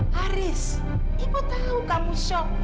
haris ibu tahu kamu shock